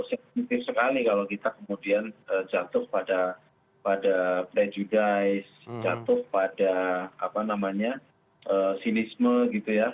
sensitif sekali kalau kita kemudian jatuh pada prejudice jatuh pada apa namanya sinisme gitu ya